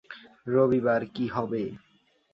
রবিবার কী হবে?